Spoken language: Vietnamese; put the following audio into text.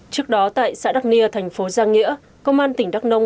trước đó tại xã đắc nia thành phố giang nghĩa công an tỉnh đắk nông